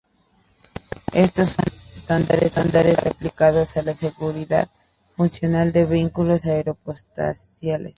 Estos son estándares aplicando a la seguridad funcional de vehículos aeroespaciales.